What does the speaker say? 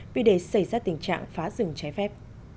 vì để xảy ra tình trạng phá rừng trái phép